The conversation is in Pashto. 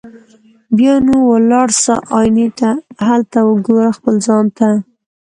بیا نو ولاړ سه آیینې ته هلته وګوره خپل ځان ته